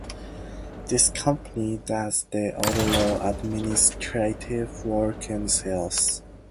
This company does the overall administrative work and sales.